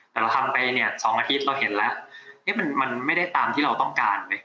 แต่เราทำไปเนี่ย๒อาทิตย์เราเห็นแล้วมันไม่ได้ตามที่เราต้องการไหม